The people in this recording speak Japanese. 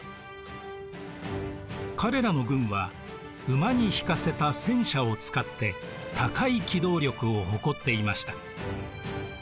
彼らの軍は馬に引かせた戦車を使って高い機動力を誇っていました。